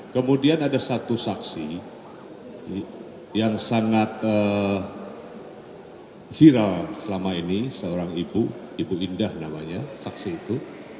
kemudian ada satu saksi yang sangat viral selama ini seorang ibu ibu indah namanya saksi itu